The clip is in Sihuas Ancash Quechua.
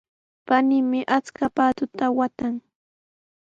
Paniimi achka paatuta waatan.